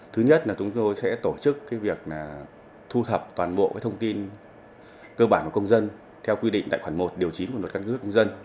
thứ nhất là chúng tôi sẽ tổ chức việc thu thập toàn bộ thông tin cơ bản của công dân theo quy định tại khoản một điều chín của luật căn cước công dân